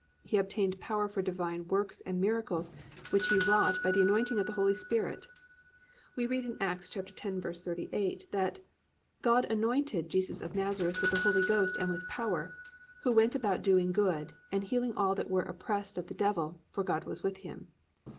He obtained power for the divine works and miracles which he wrought by the anointing of the Holy Spirit. We read in Acts 10:38, that +"God anointed Jesus of Nazareth with the Holy Ghost and with power: who went about doing good, and healing all that were oppressed of the devil; for God was with him."